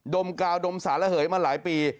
มกาวดมสารระเหยมาหลายปี